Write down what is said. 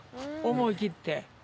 思い切って。